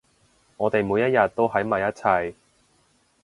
我哋每一日都喺埋一齊